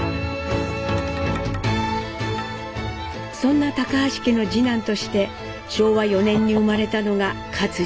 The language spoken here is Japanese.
そんな橋家の次男として昭和４年に生まれたのが克爾。